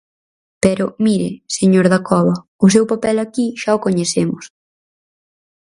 Pero, mire, señor Dacova, o seu papel aquí xa o coñecemos.